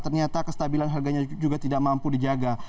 ternyata kestabilan harganya juga tidak mampu dijaga